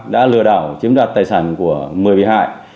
đã lừa đảo chiếm đoạt tài sản của một mươi bị hại